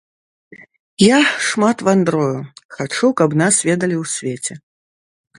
Я шмат вандрую, хачу, каб нас ведалі ў свеце.